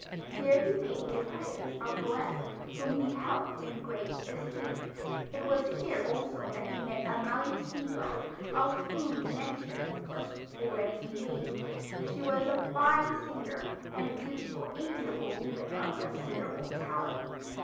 Here he made the acquaintance of Goethe whom he held in great esteem. It was here also that he met Amalie Seebald of whom mention has already been made. She was a fine singer, and a beautiful, amiable woman of considerable talent.